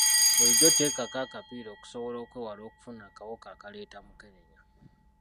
Bulijjo teekako akapiira okusobola okwewala okufuna akawuka akaleeta mukenenya.